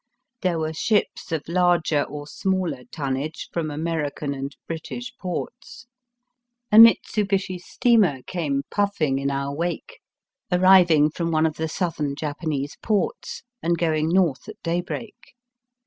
There were ships of larger or smaller tonnage from American and British ports. A Mitsu Bishi steamer came puflBng in our wake, arriving from one of the southern Japanese ports and going north at daybreak.